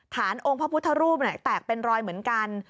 ฐานองค์พระพุทธรูปแตกเป็นรอยเหมือนกัน